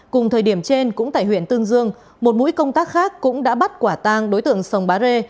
cùng thời điểm trên cũng tại huyện tương dương một mũi công tác khác cũng đã bắt quả tang đối tượng sông bá rê